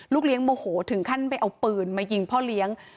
เลี้ยงโมโหถึงขั้นไปเอาปืนมายิงพ่อเลี้ยง